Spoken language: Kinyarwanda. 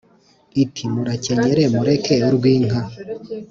Iti : Murakenyere mureke urw'inka